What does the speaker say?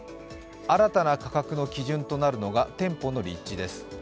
新たな価格の基準となるのが店舗の立地です。